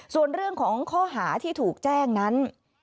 ส่วนเรื่องของข้อหาที่ถูกแจ้งนั้น